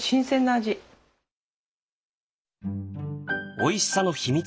おいしさの秘密